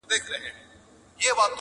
ستا د منزل د مسافرو قدر څه پیژني!